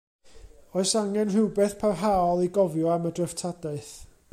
Oes angen rhywbeth parhaol i gofio am y dreftadaeth?